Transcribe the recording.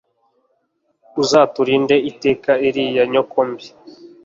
uzaturinda iteka iriya nyoko mbi